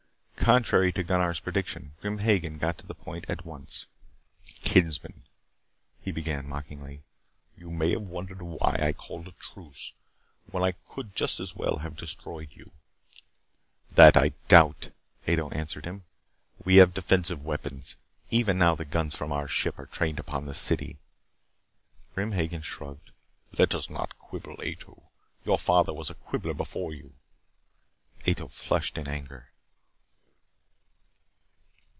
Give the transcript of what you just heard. Contrary to Gunnar's prediction, Grim Hagen got to the point at once. "Kinsmen," he began mockingly. "You may have wondered why I called a truce when I could just as well have destroyed you " "That I doubt," Ato answered him. "We have defensive weapons. Even now the guns from our ship are trained upon the city." Grim Hagen shrugged. "Let us not quibble, Ato. Your father was a quibbler before you." Ato flushed in anger.